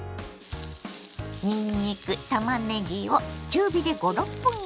にんにくたまねぎを中火で５６分炒めます。